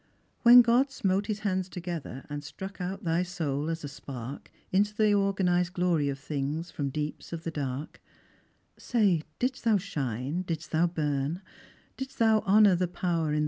Wlicn God smote His hands together, and struck out thy soul ns a sp.irk Into the organized gloiy of things, from deeps of the dark, — Say, didst thou shine, didst thou burn, didst thou honour the power ii?